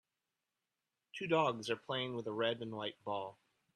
Two dogs are playing with a red and white ball